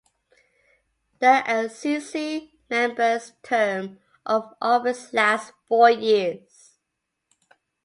The ScC members term of office lasts four years.